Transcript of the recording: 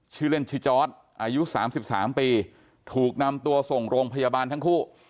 ชื่อเล่นชื่อจอร์ดอายุ๓๓ปีถูกนำตัวส่งโรงพยาบาลทั้งคู่